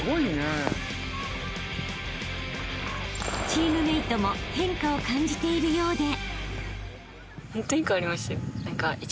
［チームメートも変化を感じているようで］